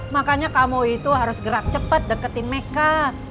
makanya kamu itu harus gerak cepat deketin meka